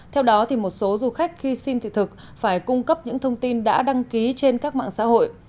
theo đó một số du khách khi xin thị thực phải cung cấp những thông tin đã đăng ký trên các mạng xã hội